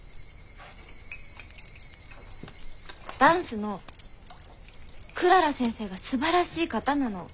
ダンスのクララ先生がすばらしい方なの。